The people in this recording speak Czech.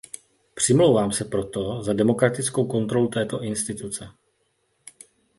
Přimlouvám se proto za demokratickou kontrolu této instituce.